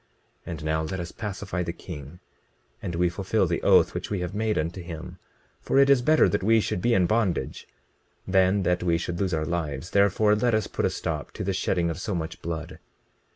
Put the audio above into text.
20:22 And now let us pacify the king, and we fulfil the oath which we have made unto him; for it is better that we should be in bondage than that we should lose our lives; therefore, let us put a stop to the shedding of so much blood.